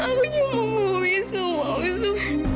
aku cemburu aku cemburu